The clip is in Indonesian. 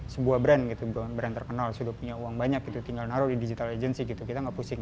sebuah brand terkenal sudah punya uang banyak tinggal naruh di digital agency kita nggak pusing